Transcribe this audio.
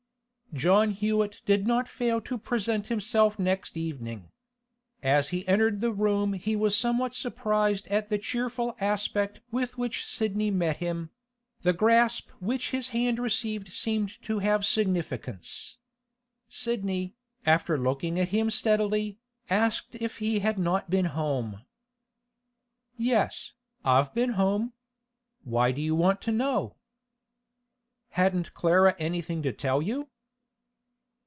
John Hewett did not fail to present himself next evening. As he entered the room he was somewhat surprised at the cheerful aspect with which Sidney met him; the grasp which his hand received seemed to have a significance. Sidney, after looking at him steadily, asked if he had not been home. 'Yes, I've been home. Why do you want to know?' 'Hadn't Clara anything to tell you?